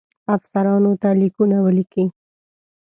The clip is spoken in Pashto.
افسرانو ته لیکونه ولیکي.